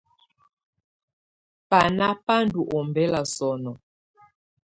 Banà bà ndù ɔmbɛla sɔ̀nɔ.